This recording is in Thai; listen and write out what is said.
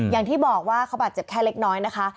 อย่างที่บอกว่าเขาบาดเจ็บแค่เล็กน้อยนะคะ